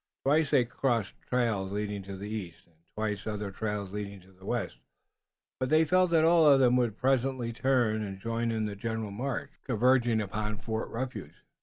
Twice they crossed trails leading to the east and twice other trails leading to the west, but they felt that all of them would presently turn and join in the general march converging upon Fort Refuge.